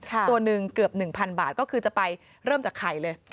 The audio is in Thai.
ตัวหนึ่งเกือบ๑๐๐๐บาทก็คือจะไปเริ่มจากไข่เลย